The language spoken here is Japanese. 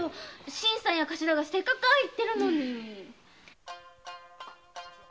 新さんやカシラがせっかくああ言ってるのに。